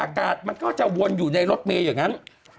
อากาศมันก็จะวนอยู่ในรถเมย์อย่างนั้น